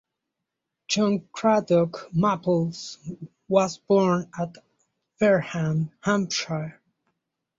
John Cradock Maples was born at Fareham, Hampshire.